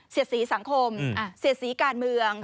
๑เสียดสีสังคมเสียดสีการเมือง